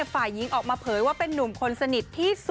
ฝ่ายยิงออกมาเผยเป็นนุ่มคนสนิท